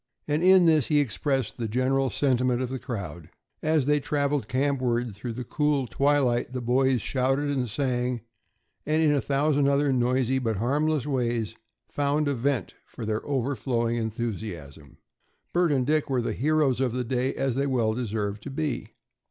And in this he expressed the general sentiment of the crowd. As they traveled campward through the cool twilight the boys shouted and sang, and in a thousand other noisy but harmless ways found a vent for their overflowing enthusiasm. Bert and Dick were the heroes of the day, as they well deserved to be.